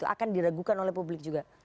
akan diragukan oleh publik juga